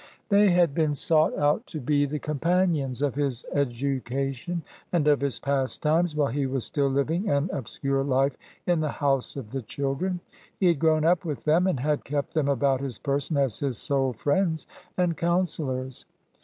They had been sought out to be the companions of his education and of his pastimes, while he was still Uving an obscure Kfe in the "House of the Children"; he had grown up with them and had kept them about his person as his "sole friends" and counselors.